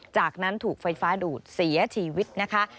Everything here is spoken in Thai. จากนั้นถูกไฟฟ้าดูดเสียชีวิตนะคะ